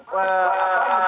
berada di situ